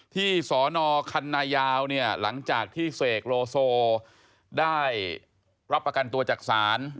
สนคันนายาวเนี่ยหลังจากที่เสกโลโซได้รับประกันตัวจากศาล